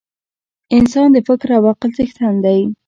انسان د فکر او عقل څښتن دی.